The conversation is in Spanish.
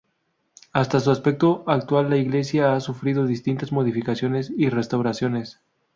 Hasta su aspecto actual, la iglesia ha sufrido distintas modificaciones y restauraciones.